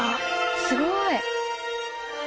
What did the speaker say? すごい！